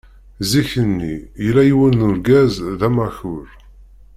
Zik-nni yella yiwen n urgaz d amakur.